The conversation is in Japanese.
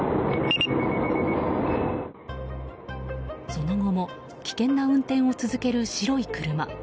その後も危険な運転を続ける白い車。